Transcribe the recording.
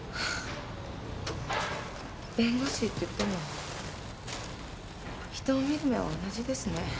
弁護士っていっても人を見る目は同じですね。